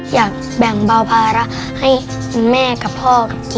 อยากแบ่งบ่าวภาระให้แม่กับพ่อกับกี๊ด้วยค่ะ